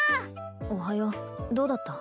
おはよどうだった？